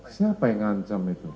siapa yang ancam itu